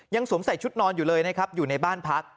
สวมใส่ชุดนอนอยู่เลยนะครับอยู่ในบ้านพัก